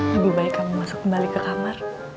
lebih baik kamu masuk kembali ke kamar